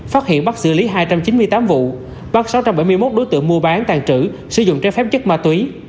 phát hiện bắt xử lý hai trăm chín mươi tám vụ bắt sáu trăm bảy mươi một đối tượng mua bán tàn trữ sử dụng trái phép chất ma túy